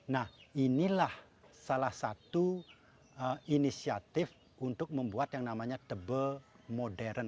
nah inilah salah satu inisiatif untuk membuat yang namanya tebel modern